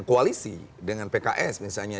koalisi dengan pks misalnya